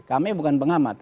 kami bukan pengamat